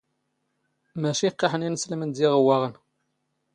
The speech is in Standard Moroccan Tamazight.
ⵎⴰⵛⵉ ⵇⵇⴰⵃ ⵏ ⵉⵏⵙⵍⵎⵏ ⴷ ⵉⵖⵡⵡⴰⵖⵏ.